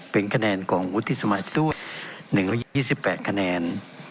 เป็นคะแนนของวุฒิสมาชิก๑๒๘คะแนน